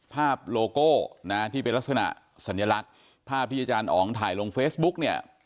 โลโก้นะที่เป็นลักษณะสัญลักษณ์ภาพที่อาจารย์อ๋องถ่ายลงเฟซบุ๊กเนี่ย